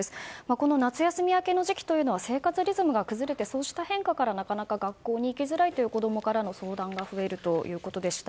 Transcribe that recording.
この夏休み明けの時期は生活リズムが崩れてそうした変化から学校に行きづらいという子供からの相談が増えるということです。